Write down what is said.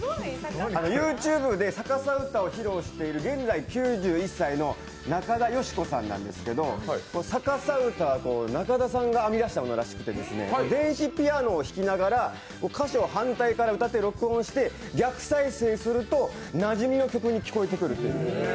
ＹｏｕＴｕｂｅで逆さ歌を披露している現在９１歳の中田芳子さんなんですけど、逆さ歌は中田さんが編み出したものでして電子ピアノを弾きながら、歌詞を反対から歌って録音して逆再生すると、なじみの曲に聞こえてくるっていう。